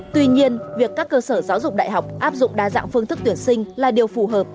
tuy nhiên việc các cơ sở giáo dục đại học áp dụng đa dạng phương thức tuyển sinh là điều phù hợp